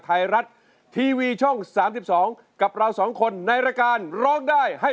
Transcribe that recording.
รายการที่เปิดโอกาสให้กับนักสู้ชีวิตไม่ว่าจะเป็นใครนะครับ